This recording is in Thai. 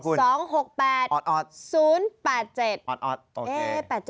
๒๖๘อ่อขอขอบคุณผู้ชมนะเลขท้าย๓ตัว